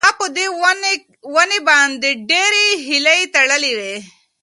ما په دې ونې باندې ډېرې هیلې تړلې وې.